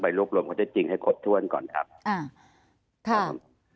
ไปลูกรวมความจริงให้คดถ้วนก่อนครับ